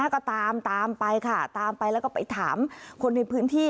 ก็ตามตามไปค่ะตามไปแล้วก็ไปถามคนในพื้นที่